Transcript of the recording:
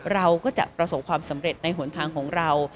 เราก็จะประสบความสำเร็จในหนทางของเรา